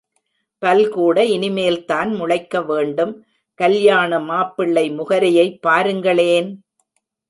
பல்கூட இனிமேல்தான் முளைக்க வேண்டும் கல்யாண மாப்பிள்ளை முகரையைப் பாருங்களேன்!